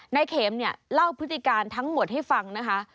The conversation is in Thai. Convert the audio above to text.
นายเข็มเนี่ยเล่าพฤติการทั้งหมดให้ฟังนะคะ